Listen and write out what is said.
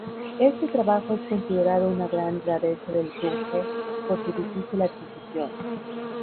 Este trabajo es considerado una gran rareza del grunge por su difícil adquisición.